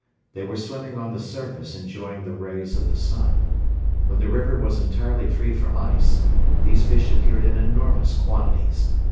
They were swimming on the surface enjoying the rays of the sun. When the river was entirely free from ice, these fish appeared in enormous quantities.